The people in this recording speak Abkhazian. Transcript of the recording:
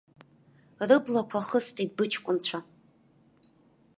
Рыблақәа хыстит быҷкәынцәа!